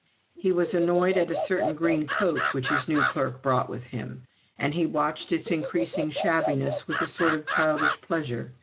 He was annoyed at a certain green coat which his new clerk brought with him, and he watched its increasing shabbiness with a sort of childish pleasure.